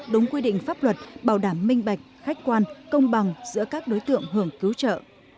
đúng quy định pháp luật bảo đảm minh bạch khách quan công bằng giữa các đối tượng hưởng cứu trợ